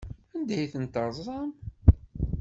Anda ay ten-terẓam?